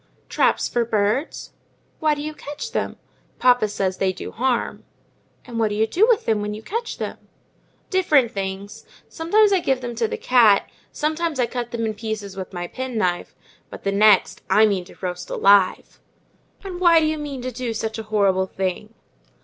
"Traps for birds." "Why do you catch them?" "Papa says they do harm." "And what do you do with them when you catch them?" "Different things. Sometimes I give them to the cat; sometimes I cut them in pieces with my penknife; but the next, I mean to roast alive." "And why do you mean to do such a horrible thing?"